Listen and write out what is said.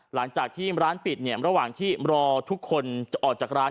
หลังจากที่ร้านปิดเนี่ยระหว่างที่รอทุกคนจะออกจากร้าน